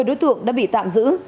một mươi đối tượng đã bị tạm giữ